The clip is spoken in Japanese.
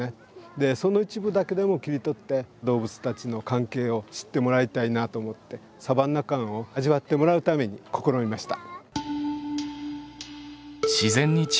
でその一部だけでも切り取って動物たちの関係を知ってもらいたいなと思ってサバンナ感を味わってもらうために試みました。